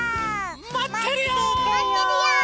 まってるよ！